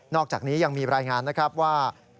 อกจากนี้ยังมีรายงานนะครับว่า